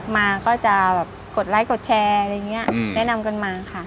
มาก็จะแบบกดไลค์กดแชร์อะไรอย่างนี้แนะนำกันมาค่ะ